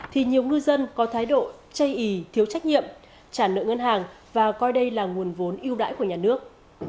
thì nhiều ngư dân có thái độ chây ý thiếu trách nhiệm trả nợ ngân hàng và coi đây là nguồn vốn ưu đãi của nhà nước